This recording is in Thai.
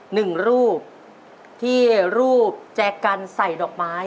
หนึ่งรูปที่รูปแจกกันใส่ดอกไม้